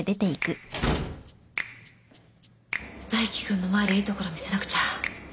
大樹君の前でいいところ見せなくちゃ。